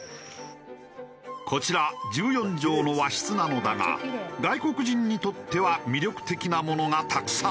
こちら１４畳の和室なのだが外国人にとっては魅力的なものがたくさん。